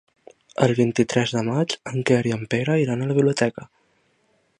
El vint-i-tres de maig en Quer i en Pere iran a la biblioteca.